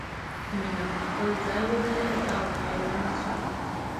مینه په خپل ځای ودریده او حیرانه شوه